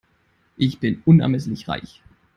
Ich bin unermesslich reich.